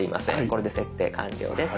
これで設定完了です。